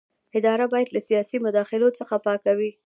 اداره باید له سیاسي مداخلو څخه پاکه وي.